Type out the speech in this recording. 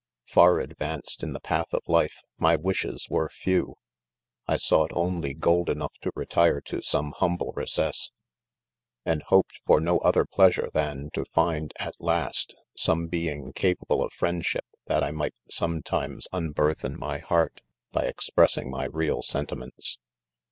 Far advanced in the path of life, my wishes were few. I sought only gold enough to retire to some humble recess j and hoped for no other pleasure, than to find at last, some being capable of friendship, that I might 'sometimes unburthen my heart, by ex pressing my real sentiments.